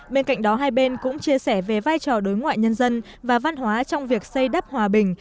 bên cạnh đó hai bên cũng chia sẻ về vai trò đối ngoại nhân dân và văn hóa trong việc xây đắp hòa bình